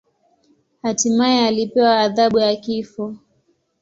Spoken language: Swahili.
Hatimaye alipewa adhabu ya kifo.